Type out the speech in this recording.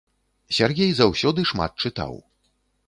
Сяргей заўсёды шмат чытаў.